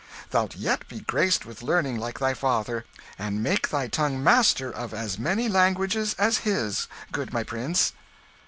Thou'lt yet be graced with learning like thy father, and make thy tongue master of as many languages as his, good my prince."